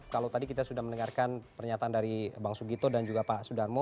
kalau tadi kita sudah mendengarkan pernyataan dari bang sugito dan juga pak sudarmo